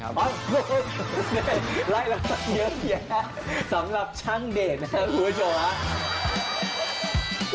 เยอะแยะสำหรับช่างเดทนะอัฐูชาติ